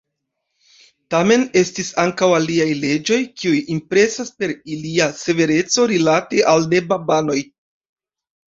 Tamen estis ankaŭ aliaj leĝoj, kiuj impresas per ilia severeco rilate al ne-babanoj.